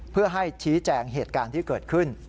เพื่อให้ชี้แจงเหตุการณ์ที่เกิดขึ้น